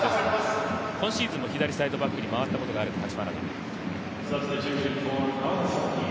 今シーズンも左サイドバックに回ったことがある橘田。